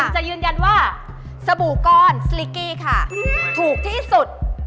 จะยืนยันว่าสบู่ก้อนสลิกกี้ค่ะถูกที่สุด